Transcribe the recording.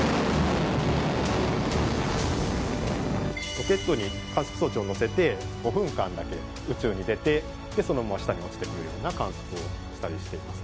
ロケットに観測装置を載せて５分間だけ宇宙に出てそのまま下に落ちてくるような観測をしたりしています。